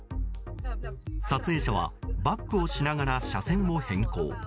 撮影者はバックをしながら車線を変更。